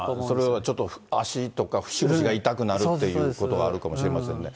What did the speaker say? それはちょっと、足とか節々が痛くなるということもあるかもしれませんね。